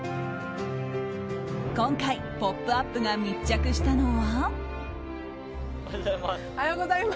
今回、「ポップＵＰ！」が密着したのは。